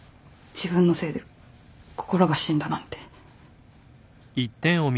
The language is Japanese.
自分のせいで心が死んだなんて。